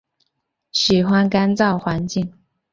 喜欢干燥环境。